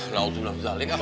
lalu dia bilang zalik apa